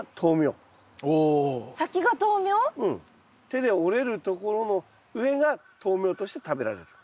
手で折れるところの上が豆苗として食べられると。